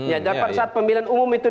ya pada saat pemilihan umum itu